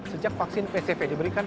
sejak vaksin pcv diberikan